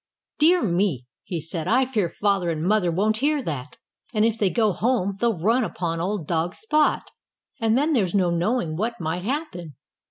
"Dear me!" he said. "I fear Father and Mother won't hear that. And if they go home they'll run upon old dog Spot. And then there's no knowing what might happen."